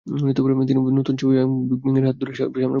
তিনিও নতুন ছবি ব্যাং ব্যাং-এর হাত ধরে এখন সেই পথেই হাঁটছেন।